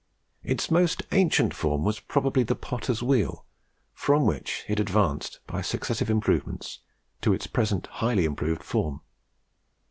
Its most ancient form was probably the potter's wheel, from which it advanced, by successive improvements, to its present highly improved form.